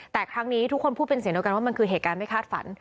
แต่ครั้งนี้ทุกคนพูดเป็นเสียงเดียวกันว่ามันคือเหตุการณ์ไม่คาดฝัน